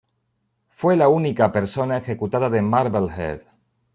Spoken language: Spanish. Fue la única persona ejecutada de Marblehead.